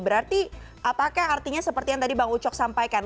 berarti apakah artinya seperti yang tadi bang ucok sampaikan